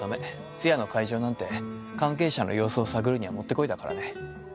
通夜の会場なんて関係者の様子を探るにはもってこいだからね。